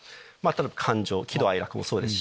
感情喜怒哀楽もそうですし。